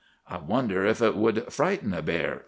"'I wonder if it would frighten a bear?